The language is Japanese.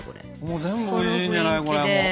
もう全部おいしいんじゃないこれもう。